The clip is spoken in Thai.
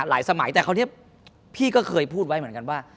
สมัยแต่คราวนี้พี่ก็เคยพูดไว้เหมือนกันว่า